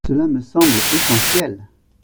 Cela me semble essentiel.